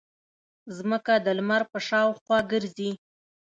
ځمکه د لمر په شاوخوا ګرځي.